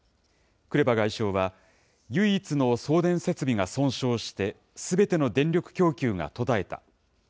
クレバ外相は、唯一の送電設備が損傷して、すべての電力供給が途絶えた。